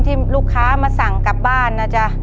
ที่ลูกค้ามาสั่งกลับบ้านนะจ๊ะ